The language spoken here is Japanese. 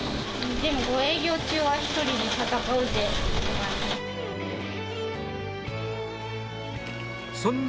でも営業中は１人で戦うぜみたいな。